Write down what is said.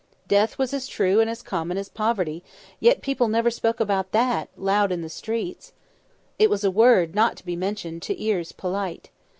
Death was as true and as common as poverty; yet people never spoke about that, loud out in the streets. It was a word not to be mentioned to ears polite.